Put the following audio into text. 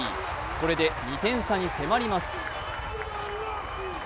これで２点差に迫ります。